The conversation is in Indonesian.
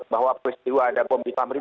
bahwa peristiwa ada bom di tamrin